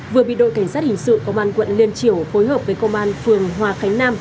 vừa bị đội cảnh sát hình sự công an quận liên triểu phối hợp với công an phường hòa khánh nam